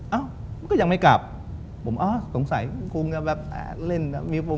เอ้าก็ยังไม่กลับผมอ้าวสงสัยคงจะแบบแอ๊ะเล่นนะคะ